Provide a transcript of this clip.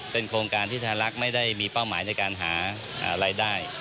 โครงการที่ธลักษณ์ไม่ได้มีเป้าหมายในการหารายได้